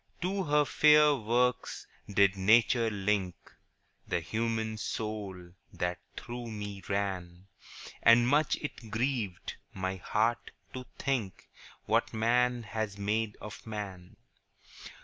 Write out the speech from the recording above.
To her fair works did Nature link The human soul that through me ran; And much it grieved my heart to think What man has made of man.